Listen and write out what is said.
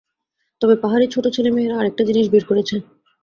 তবে পাহাড়ি ছোট ছেলেমেয়েরা আরেকটা জিনিস বের করেছে।